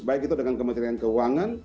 baik itu dengan kementerian keuangan